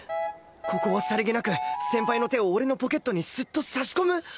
ここはさりげなく先輩の手を俺のポケットにスッと差し込む？